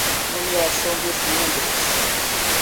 Nomeação dos membros.